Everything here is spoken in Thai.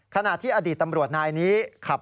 ขณะที่อดีตตำรวจนายนี้ขับ